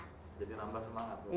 jadi nambah semangat